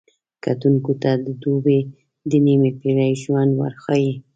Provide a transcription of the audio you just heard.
کتونکو ته د دوبۍ د نیمې پېړۍ ژوند ورښيي.